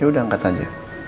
yaudah angkat aja